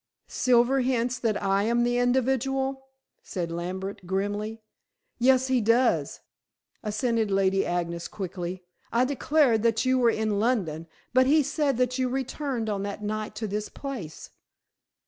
"Silver hints that I am the individual," said Lambert grimly. "Yes, he does," assented Lady Agnes quickly. "I declared that you were in London, but he said that you returned on that night to this place."